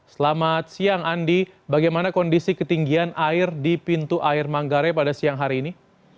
selamat siang andi bagaimana kondisi ketinggian air di pintu air manggarai pada siang hari ini